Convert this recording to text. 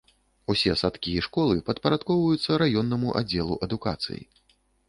Усе садкі і школы падпарадкоўваюцца раённаму аддзелу адукацыі.